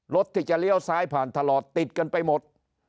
รถที่จะเลี้ยวซ้ายผ่านตลอดติดกันไปหมด